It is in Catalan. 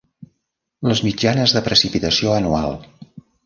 Les mitjanes de precipitació anual.